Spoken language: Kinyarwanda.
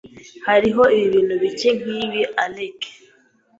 Hariho ibintu bike nkibi. (alec)